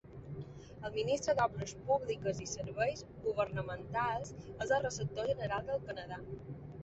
El ministre d'obres públiques i serveis governamentals és el receptor general del Canadà.